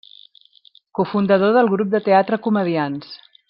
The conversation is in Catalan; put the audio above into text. Cofundador del grup de teatre Comediants.